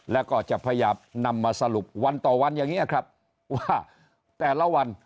แล้วก็จะพยายามนำมาสรุปวันต่อวันอย่างนี้ครับว่าแต่ละวัน